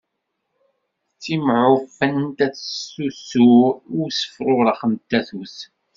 Timmuɛfent ad testufu i usefrurex n tatut.